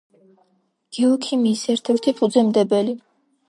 გეოქიმიის ერთ-ერთი ფუძემდებელი.